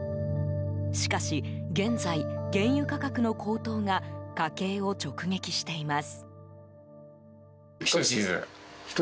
しかし現在、原油価格の高騰が家計を直撃しています。